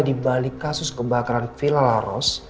di balik kasus kebakaran villa laros